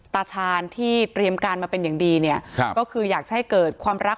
ตาชาญที่เตรียมการมาเป็นอย่างดีเนี่ยก็คืออยากจะให้เกิดความรัก